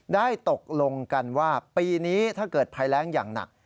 ได้ตกลงกันว่าปีนี้ถ้าเกิดภัยแรงอย่างหนัก